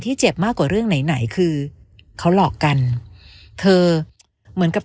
เจ็บมากกว่าเรื่องไหนไหนคือเขาหลอกกันเธอเหมือนกับ